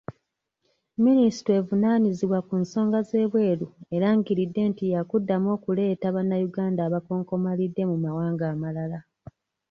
Minisitule evunaanyizibwa ku nsonga z'ebweru erangiridde nti yaakuddamu okuleeta bannayuganda abakonkomalidde mu mawanga amalala.